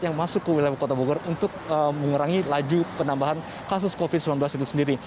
yang masuk ke wilayah kota bogor untuk mengurangi laju penambahan kasus covid sembilan belas itu sendiri